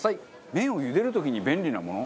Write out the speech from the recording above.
麺を茹でる時に便利なもの？